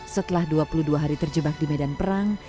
setelah dua puluh dua hari terjebak di medan perang